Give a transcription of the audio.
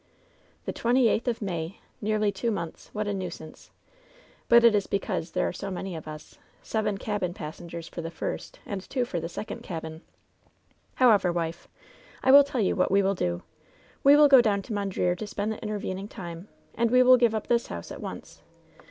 "The twenty eighth of may! Nearly two months! What a nuisance ! But it is because there are so many of us ! Seven cabin passengers for the first, and two for the second cabin ! However, wife, I will tell you what 18« LOVE'S BITTEREST CUP we will do : We will ftp down to Mondreer to spend the intervening time; and we will give up this house at once.